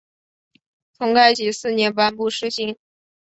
从开禧四年颁布施行。